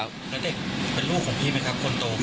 น้องเด็กเป็นลูกของพี่มั้ยครับคนโต